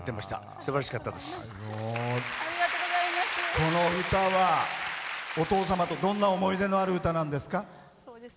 この歌はお父様とどんな思い出のある歌なんですか？